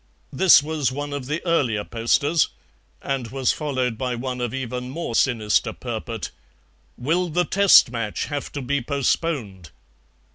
This was one of the earlier posters, and was followed by one of even more sinister purport: "Will the Test match have to be postponed?"